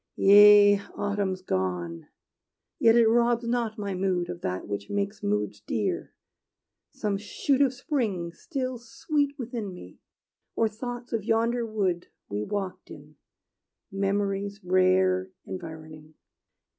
Yea, autumn's gone! Yet it robs not my mood Of that which makes moods dear, some shoot of spring Still sweet within me; or thoughts of yonder wood We walked in, memory's rare environing.